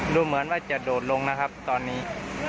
ดูเหมือนว่าจะโดดลงนะครับตอนนี้